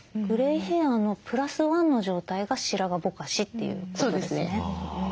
グレイヘアのプラスワンの状態が白髪ぼかしということですね。